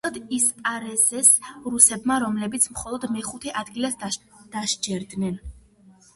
სუსტად იასპარეზეს რუსებმა, რომლებიც მხოლოდ მეხუთე ადგილს დასჯერდნენ.